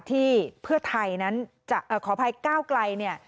ที่เพื่อไทยนั้นจะขออภัยก้าวไกลเนี่ย